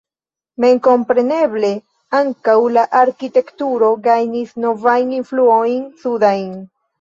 Memkompreneble ankaŭ la arkitekturo gajnis novajn influojn sudajn.